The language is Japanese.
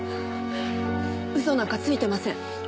嘘なんかついてません。